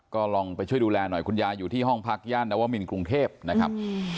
ก็ลองไปช่วยดูแลหน่อยคุณยายอยู่ที่ห้องพักย่านนวมินกรุงเทพนะครับ